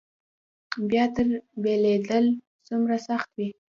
بیا ترې بېلېدل څومره سخت وي.